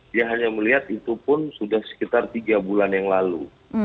dia hanya melihat itu pun sudah sekitar tiga bulan yang lalu